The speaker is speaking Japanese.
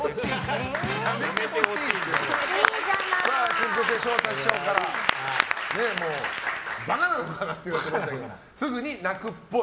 春風亭昇太師匠からバカなのかな？と言われましたがすぐに泣くっぽい